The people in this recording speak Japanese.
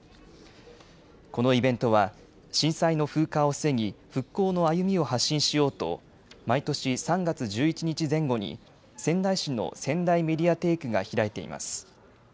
このイベントは震災の風化を防ぎ復興の歩みを発信しようと毎年３月１１日前後に仙台市のせんだいメディアテークが開いています。